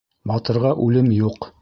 Батырға үлем юҡ.